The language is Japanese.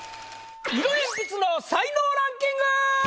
色鉛筆の才能ランキング！